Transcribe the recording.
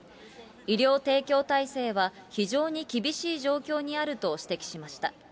医療提供体制は非常に厳しい状況にあると指摘しました。